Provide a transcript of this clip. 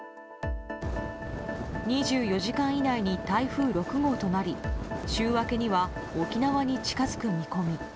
２４時間以内に台風６号となり週明けには沖縄に近づく見込み。